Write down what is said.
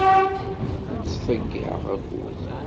Ur ttḍeyyiɛeɣ akud.